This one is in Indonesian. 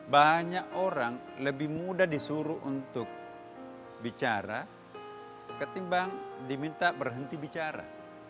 banyak orang lebih mudah disuruh untuk bicara ketimbang diminta berhenti bicara